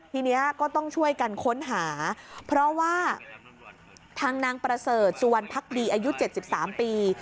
ทีนี้ก็ต้องช่วยกันค้นหาเพราะว่าทางนางประเสริฐสุวรรณภักดีอายุ๗๓ปี